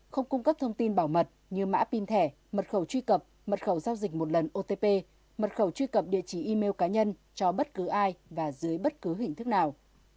không cung cấp thông tin bảo mật như mã pin thẻ mật khẩu truy cập mật khẩu giao dịch một lần otp mật khẩu truy cập địa chỉ email cá nhân cho bất cứ ai và dưới bất cứ hình thức nào